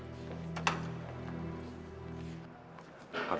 di mana aun yang perlu